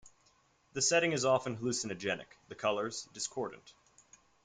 The setting is often hallucinogenic; the colors, discordant.